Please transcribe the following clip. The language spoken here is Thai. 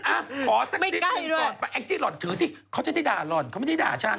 อ่ะขอสักนิดนึงก่อนไปแองจี้หล่อนถือสิเขาจะได้ด่าหล่อนเขาไม่ได้ด่าฉัน